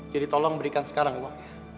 jadi tolong berikan sekarang ma